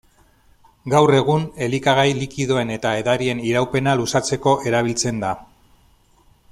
Gaur egun, elikagai likidoen eta edarien iraupena luzatzeko erabiltzen da.